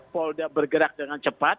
polda bergerak dengan cepat